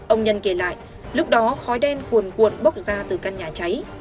ông nhân kể lại lúc đó khói đen cuồn cuộn bốc ra từ căn nhà cháy